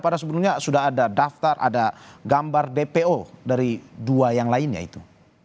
padahal sebenarnya sudah ada daftar ada gambar dpo dari dua yang lainnya itu